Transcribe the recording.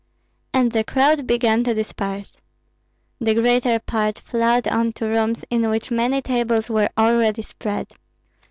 And the crowd began to disperse. The greater part flowed on to rooms in which many tables were already spread.